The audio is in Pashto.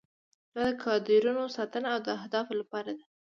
دا د کادرونو ساتنه د اهدافو لپاره ده.